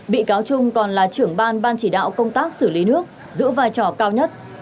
bị cáo trung còn là trưởng ban ban chỉ đạo công tác xử lý nước giữ vai trò cao nhất